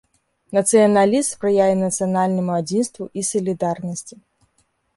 Нацыяналізм спрыяе нацыянальнаму адзінству і салідарнасці.